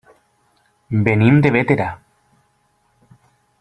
Venim de Bétera.